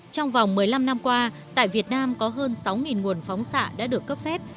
trong vòng một mươi năm năm qua tại việt nam có hơn sáu nguồn phóng xạ đã được cấp phép